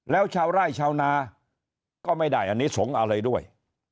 แล้วชาวไร่ชาวนาก็ไม่ได้อันนี้สงฆ์อะไรด้วย